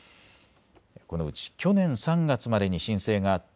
このうち去年３月までに申請があった